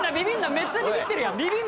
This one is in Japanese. めっちゃビビってるやん。